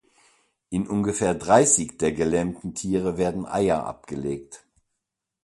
In ungefähr dreißig der gelähmten Tiere werden Eier abgelegt.